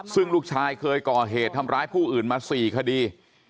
ซึ่งลูกชายเคยก่อเหตุทำร้ายผู้อื่นมา๔คดี